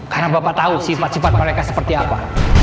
karena bapak tahu sifat sifat mereka seperti apa